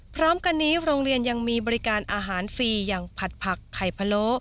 พร้อมกันนี้โรงเรียนยังมีบริการอาหารฟรีอย่างผัดผักไข่พะโล